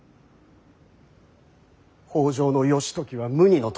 北条義時は無二の友。